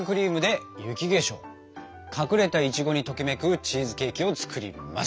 隠れたいちごにときめくチーズケーキを作ります。